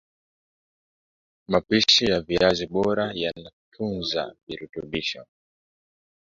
mapishi ya viazi bora yanayotunza virutubisho